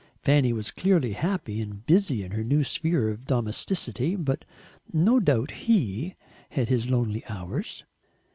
Fanny was clearly happy and busy in her new sphere of domesticity, but no doubt HE had his lonely hours.